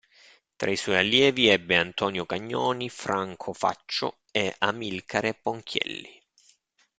Tra i suoi allievi ebbe Antonio Cagnoni, Franco Faccio e Amilcare Ponchielli.